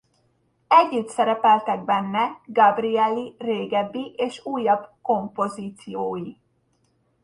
Együtt szerepeltek benne Gabrieli régebbi és újabb kompozíciói.